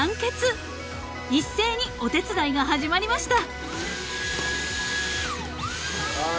［一斉にお手伝いが始まりました］